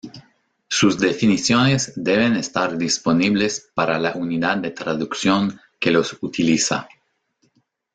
Sus definiciones deben estar disponibles para la unidad de traducción que los utiliza.